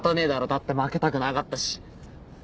だって負けたくなかったし